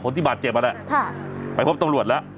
คนที่บาดเจ็บนั่นแหละไปพบตำรวจแล้ว